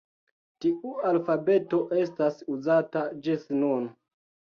Tiu alfabeto estas uzata ĝis nun.